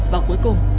và cuối cùng